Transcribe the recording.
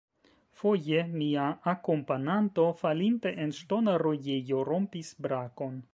Foje mia akompananto, falinte en ŝtona rojejo, rompis brakon.